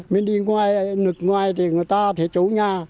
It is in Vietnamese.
mình đi ngoài nước ngoài thì người ta thì chủ nhà